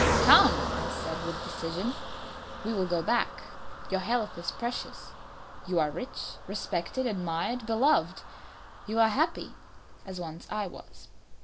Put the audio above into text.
"Come," I said, with decision, "we will go back; your health is precious. You are rich, respected, admired, beloved; you are happy, as once I was.